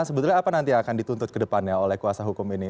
sebetulnya apa nanti yang akan dituntut ke depannya oleh kuasa hukum ini